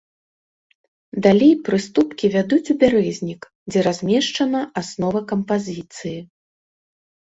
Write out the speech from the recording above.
Далей прыступкі вядуць у бярэзнік, дзе размешчана аснова кампазіцыі.